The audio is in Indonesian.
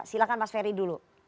silahkan mas ferry dulu